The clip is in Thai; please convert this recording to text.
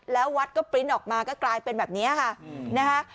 แล้ววัดก็ปริ้นต์ออกมาก็กลายเป็นแบบนี้ค่ะนะฮะ